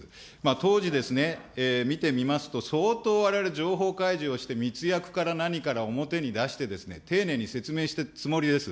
当時ですね、見てみますと、相当われわれ、情報開示をして密約から何から表に出して、丁寧に説明してたつもりです。